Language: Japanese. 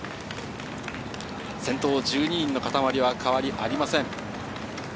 先頭１２人の固まりは変わりありません。